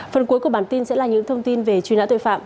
phần cuối của bản tin sẽ là những thông tin về truy nã tội phạm